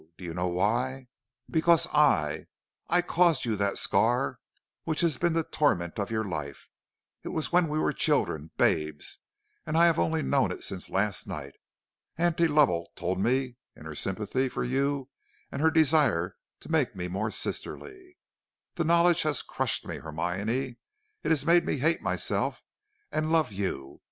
Do you know why? Because I I caused you that scar which has been the torment of your life. It was when we were children babes, and I have only known it since last night. Auntie Lovell told me, in her sympathy for you and her desire to make me more sisterly. The knowledge has crushed me, Hermione; it has made me hate myself and love you.